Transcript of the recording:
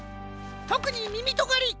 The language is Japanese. とくにみみとがり！